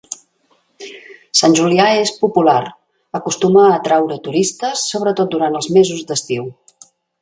Sant Julià és popular, acostuma a atraure turistes, sobretot durant els mesos d'estiu.